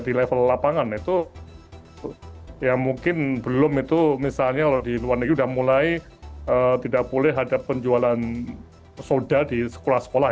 di level lapangan itu ya mungkin belum itu misalnya kalau di luar negeri sudah mulai tidak boleh ada penjualan soda di sekolah sekolah